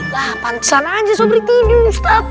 lah pantesan aja sobri tidur ustad